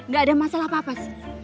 gak ada masalah apa apa sih